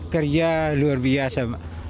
kerja luar biasa